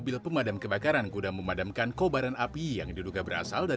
di susunan hidup dua orang di dalam beberapa kamar kontrakan yang dihuni para korban